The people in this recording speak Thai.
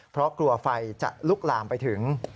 เพราะกลัวไฟจะลุกลามไปถึง